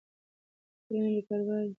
که ټولنه بې پروا وي، بحرانونه زیاتېږي.